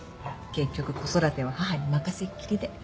結局子育ては母に任せっきりで。